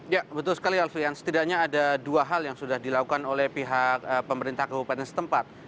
ya betul sekali alfian setidaknya ada dua hal yang sudah dilakukan oleh pihak pemerintah kabupaten setempat